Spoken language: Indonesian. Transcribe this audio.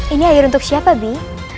ini air untuk siapa sih